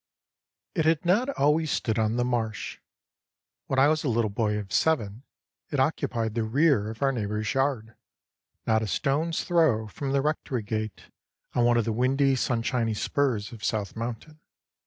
It had not always stood on the marsh. When I was a little boy of seven, it occupied the rear of our neighbor's yard, not a stone's throw from the rectory gate, on one of the windy, sunshiny spurs of South Mountain.